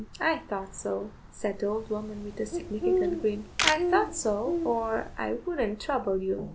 "Hem, I thought so," said the old woman with a significant grin. "I thought so, or I wouldn't trouble you."